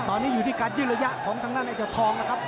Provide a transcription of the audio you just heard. ตอนนี้อยู่ที่การยื่นระยะของทางด้านไอ้เจ้าทองนะครับ